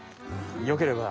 よければ。